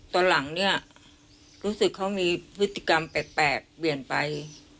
ตอนหลังเนี่ยรู้สึกเขามีพฤติกรรมแปลกเปลี่ยนไป